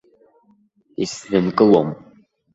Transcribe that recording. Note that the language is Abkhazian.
Исзынкылом.